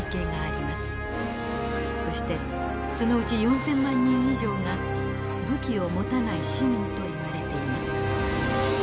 そしてそのうち４，０００万人以上が武器を持たない市民といわれています。